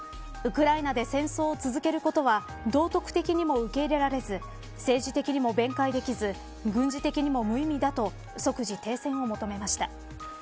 ウクライナで戦争を続けることは道徳的にも受け入れられず政治的にも弁解できず軍事的にも無意味だと即時停戦を求めました。